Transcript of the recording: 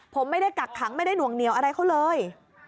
ผมไม่ได้กักขังไม่ได้หน่วงเหนียวอะไรเขาเลย